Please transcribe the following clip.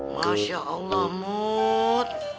masya allah mut